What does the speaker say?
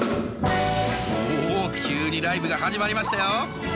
おお急にライブが始まりましたよ。